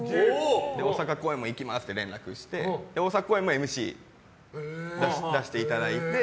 大阪公演も行きますって連絡して大阪公演もＭＣ出していただいて。